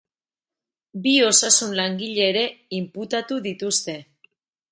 Bi osasun-langile ere inputatu dituzte.